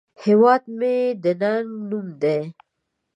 هیواد مې د ننگ نوم دی